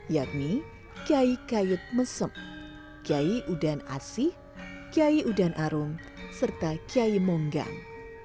yakni kiai kayut mesem kiai udan asih kiai udan arung serta kiai monggang